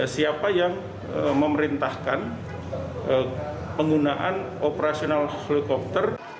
siapa yang memerintahkan penggunaan operasional helikopter